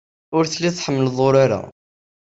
Ur telliḍ tḥemmleḍ urar-a.